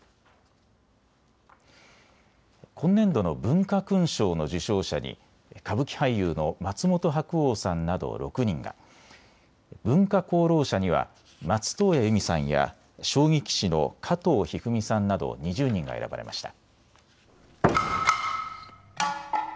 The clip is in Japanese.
今年度の文化勲章の受章者に歌舞伎俳優の松本白鸚さんなど６人が、文化功労者には松任谷由実さんや将棋棋士の加藤一二三さんなど２０人が選ばれました。